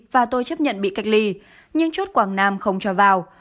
và tôi chấp nhận bị cách ly nhưng chốt quảng nam không cho vào